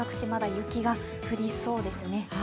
まだ雪が降りそうですね。